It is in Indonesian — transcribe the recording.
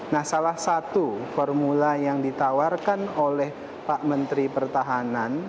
nah salah satu formula yang ditawarkan oleh pak menteri pertahanan